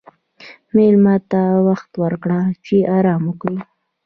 مېلمه ته وخت ورکړه چې آرام وکړي.